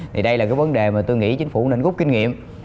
thì đây là cái vấn đề mà tôi nghĩ chính phủ nên gúc kinh nghiệm